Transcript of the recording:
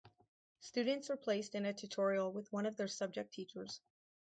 Students are placed in a tutorial with one of their subject teachers.